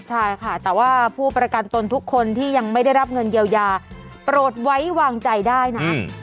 ใช่ค่ะแต่ว่าผู้ประกันตนทุกคนที่ยังไม่ได้รับเงินเยียวยาโปรดไว้วางใจได้นะ